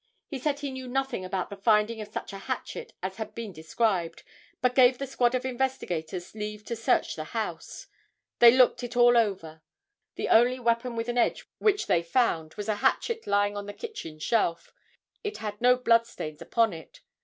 He said he knew nothing about the finding of such a hatchet as had been described, but gave the squad of investigators leave to search the house. They looked it all over. The only weapon with an edge which they found was a hatchet lying on the kitchen shelf. It had no blood stains upon it.